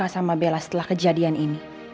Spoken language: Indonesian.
aku suka sama bella setelah kejadian ini